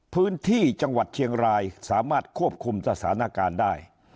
พื้นที่จังหวัดเชียงรายสามารถควบคุมสถานการณ์ได้